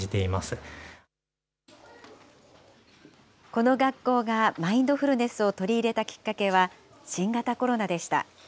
この学校がマインドフルネスを取り入れたきっかけは、新型コロナでした。